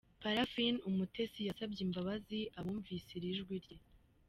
Parfine Umutesi yasabye imbabazi abumvise iri jwi rye.